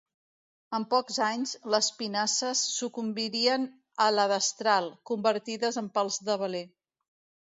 En pocs anys, les pinasses sucumbiren a la destral, convertides en pals de veler.